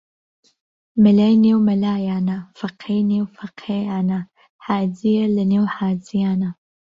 مەلای نێو مەلایانە فەقێی نێو فەقێیانە حاجیە لە نێو حاجیانە